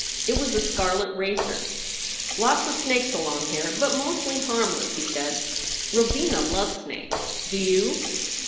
It was a scarlet racer. "Lots of snakes along here, but mostly harmless," he said. "Robina loves snakes. Do you?"